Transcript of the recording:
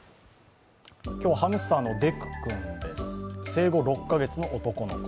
今日、ハムスターのでくくんです生後６カ月の男の子。